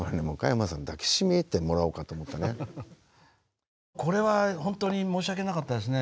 加山さんがこれは本当に申し訳なかったですね。